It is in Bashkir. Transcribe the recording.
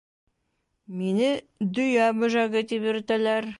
Мине Дөйә бөжәге тип йөрөтәләр.